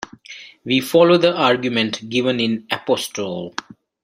We follow the argument given in Apostol.